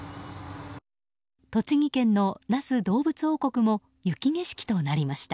栃木県の那須どうぶつ王国も雪景色となりました。